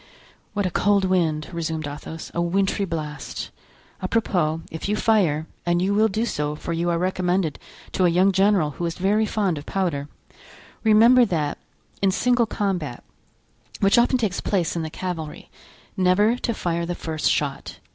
"What a cold wind!" resumed Athos; "a wintry blast. Apropos, if you fire—and you will do so, for you are recommended to a young general who is very fond of powder—remember that in single combat, which often takes place in the cavalry, never to fire the first shot.